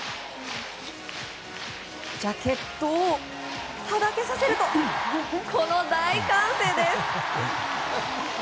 ジャケットをはだけさせるとこの大歓声です。